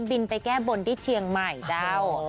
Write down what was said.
บินไปแก้บนที่เชียงใหม่ด้าว